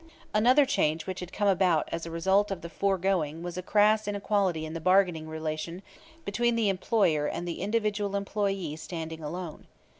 Another change which had come about as a result of the foregoing was a crass inequality in the bargaining relation between the employer and the individual employee standing alone.